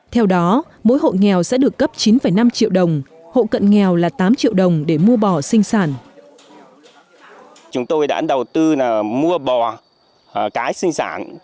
theo đó mỗi hộ nghèo sẽ được cấp chín năm triệu đồng hộ cận nghèo là tám triệu đồng để mua bò sinh sản